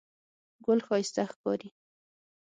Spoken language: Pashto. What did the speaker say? ګل ښایسته ښکاري.